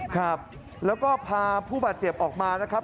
ครับแล้วก็พาผู้บาดเจ็บออกมานะครับ